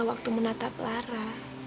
waktu menatap lara